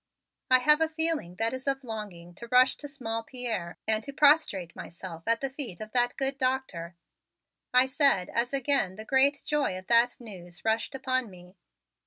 "I have a feeling that is of longing to rush to small Pierre and to prostrate myself at the feet of that good Doctor," I said as again the great joy of that news rushed upon me.